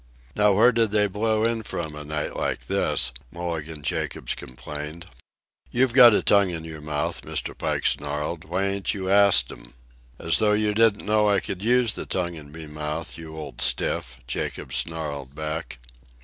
"Now where did they blow in from a night like this?" Mulligan Jacobs complained. "You've got a tongue in your mouth," Mr. Pike snarled. "Why ain't you asked 'em?" "As though you didn't know I could use the tongue in me mouth, you old stiff," Jacobs snarled back.